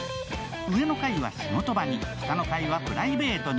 上の階は仕事場に、下の階はプライベートに。